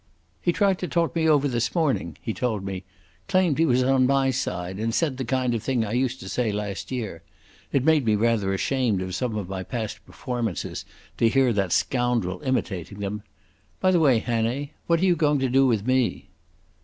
"He tried to talk me over this morning," he told me. "Claimed he was on my side and said the kind of thing I used to say last year. It made me rather ashamed of some of my past performances to hear that scoundrel imitating them.... By the way, Hannay, what are you going to do with me?"